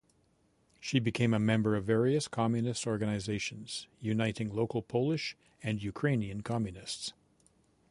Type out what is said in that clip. She became a member of various communist organisations uniting local Polish and Ukrainian communists.